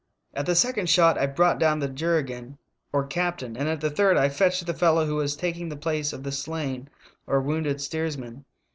At the second shot I brought down the juragan or captain, and at the third I fetched the fellow who was taking the place of the slain or wounded steersman.